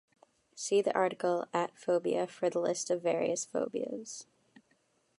See the article at -phobia for the list of various phobias.